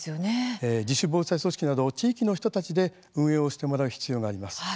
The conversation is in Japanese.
自主防災組織など地域の人たちで運営をしてもらう必要があります。